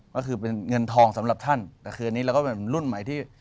ก็คือเป็นเงินทองสำหรับท่านแต่คืออันนี้เราก็เป็นรุ่นใหม่ที่